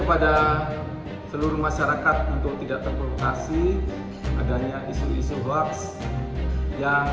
kepada seluruh masyarakat untuk tidak terprovokasi adanya isu isu hoax yang